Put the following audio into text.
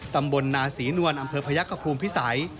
ตำบลนาศรีนวลอำเภอพยักษภูมิพิสัย